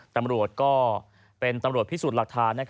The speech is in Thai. ตำรวจก็เป็นตำรวจพิสูจน์หลักฐาน